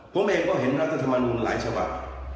ผมเองก็เห็นรัฐธรรมนุนหลายฉบับ